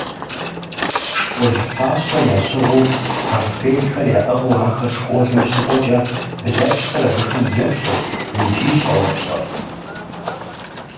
Школ фащэ ящыгъыу, портфелхэр яӀыгъыу ахэр школым щыкӀуэкӀэ, блэкӀхэр абыхэм еплъырт икӀи щӀэупщӀэрт: